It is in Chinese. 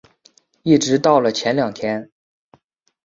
一直到了前两天